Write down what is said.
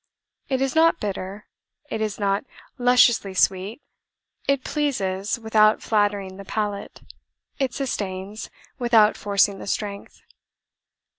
It is not bitter; it is not lusciously sweet: it pleases, without flattering the palate; it sustains, without forcing the strength.